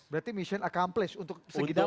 berarti mission accomplished untuk segi dampak